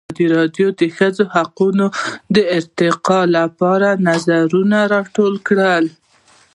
ازادي راډیو د د ښځو حقونه د ارتقا لپاره نظرونه راټول کړي.